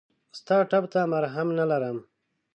ستا ټپ ته مرهم نه لرم !